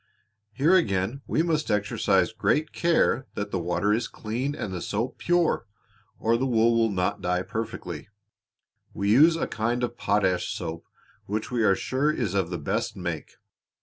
"Here again we must exercise great care that the water is clean and the soap pure, or the wool will not dye perfectly. We use a kind of potash soap which we are sure is of the best make.